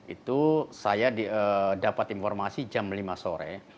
itu saya dapat informasi jam lima sore